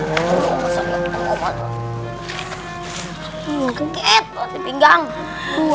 rasulullah saw kayak gini ya allah